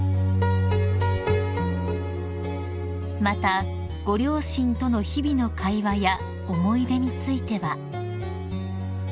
［またご両親との日々の会話や思い出については］